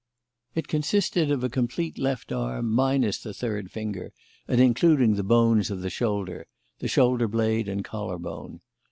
It consisted of a complete left arm, minus the third finger and including the bones of the shoulder the shoulder blade and collar bone.